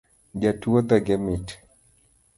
Jatuo dhoge mit